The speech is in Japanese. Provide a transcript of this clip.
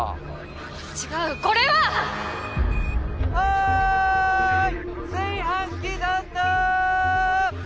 違うこれは！おい！